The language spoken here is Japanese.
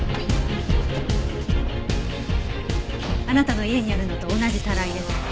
あなたの家にあるのと同じタライです。